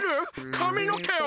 かみのけを！？